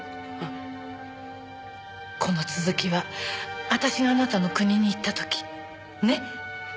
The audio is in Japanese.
この続きは私があなたの国に行った時ね！